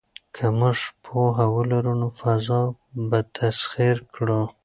که موږ پوهه ولرو نو فضا به تسخیر کړو.